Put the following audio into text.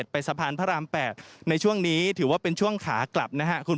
ไปสะพานพระราม๘ในช่วงนี้ถือว่าเป็นช่วงขากลับนะครับ